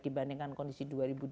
dibandingkan kondisi dua ribu dua puluh